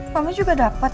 mama juga dapet